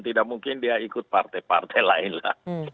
tidak mungkin dia ikut partai partai lain lah